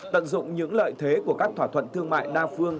tận dụng những lợi thế của các thỏa thuận thương mại đa phương